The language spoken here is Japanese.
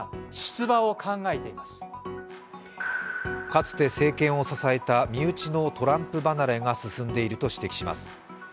かつて政権を支えた身内のトランプ離れが進んでいると指摘します。